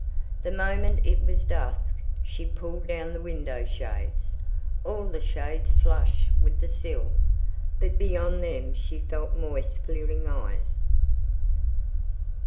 The moment it was dusk she pulled down the window shades, all the shades flush with the sill, but beyond them she felt moist fleering eyes.